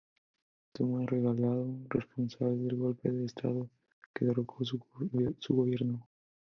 Tomas Regalado responsable del golpe de Estado que derrocó su gobierno.